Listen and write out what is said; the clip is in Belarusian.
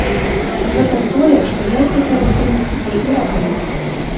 Гэта тое, што я цяпер, у прынцыпе, і раблю.